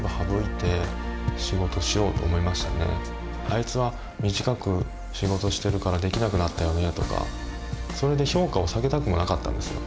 「あいつは短く仕事してるからできなくなったよね」とかそれで評価を下げたくもなかったんですよ。